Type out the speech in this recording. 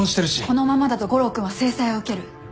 このままだと悟郎君は制裁を受ける。